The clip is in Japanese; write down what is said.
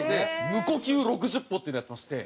無呼吸６０歩っていうのをやってまして。